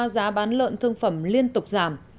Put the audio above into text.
giá bán lợn thương phẩm liên tục giảm